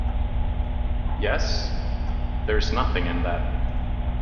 Yes; — there is nothing in that.